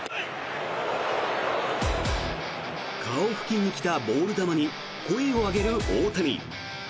顔付近に来たボール球に声を上げる大谷。